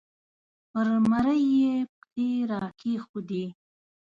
پر مرۍ یې پښې را کېښودې